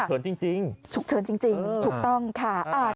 ถูกเชิญจริงถูกต้องค่ะ